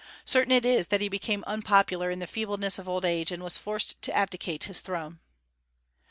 Certain it is that he became unpopular in the feebleness of old age, and was forced to abdicate his throne.